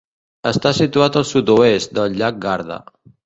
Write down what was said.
Està situat al sud-oest del llac Garda.